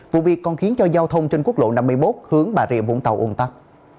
vụ việc còn khiến cho giao thông trên quốc lộ năm mươi một hướng bà rịa vũng tàu ồn tắc